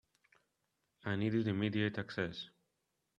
I needed immediate access.